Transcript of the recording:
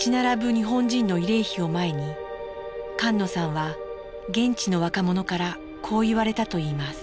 日本人の慰霊碑を前に菅野さんは現地の若者からこう言われたといいます。